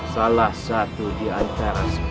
salah satu diantara